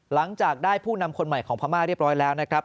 หลังจากได้ผู้นำคนใหม่ของพม่าเรียบร้อยแล้วนะครับ